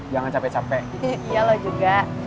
jangan capek capek iya lo juga